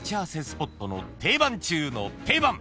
スポットの定番中の定番！］